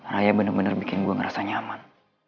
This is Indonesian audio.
raya bener bener bikin gue ngerasa nyaman